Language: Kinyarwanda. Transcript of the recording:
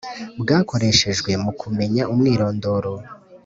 Bwakoreshejwe mu kumenya umwirondoro